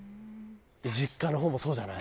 実家の方もそうじゃない？